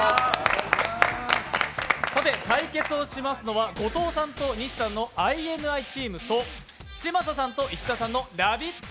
さて、対決をしますのは後藤さんと西さんのＩＮＩチームと、嶋佐さんと石田さんのラヴィット！